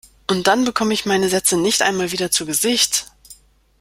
Und dann bekomme ich meine Sätze nicht einmal wieder zu Gesicht!